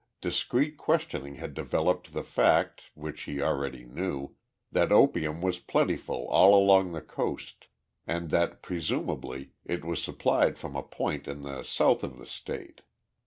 Discreet questioning had developed the fact, which he already knew, that opium was plentiful all along the Coast, and that, presumably, it was supplied from a point in the south of the state.